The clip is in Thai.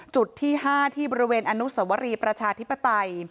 จุดที่๕ที่บริเวณอนุสวรีประชาธิปไตย